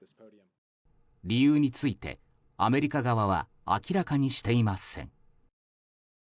理由について、アメリカ側は明らかにしていません。